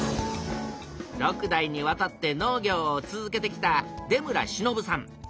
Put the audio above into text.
６代にわたって農業を続けてきた出村忍さん。